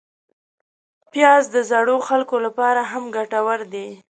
پیاز د زړو خلکو لپاره هم ګټور دی